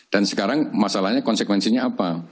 dan sekarang masalahnya konsekuensinya apa